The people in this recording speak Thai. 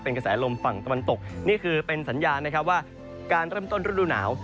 กระแสลมฝั่งตะวันตกนี่คือเป็นสัญญาณนะครับว่าการเริ่มต้นฤดูหนาว